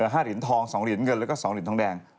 ๕เหรียญทอง๒เหรียญเงินและ๒เหรียญทองแดง